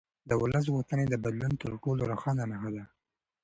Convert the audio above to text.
د ولس غوښتنې د بدلون تر ټولو روښانه نښه ده